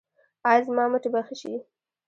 ایا زما مټې به ښې شي؟